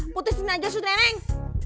putih sini aja neng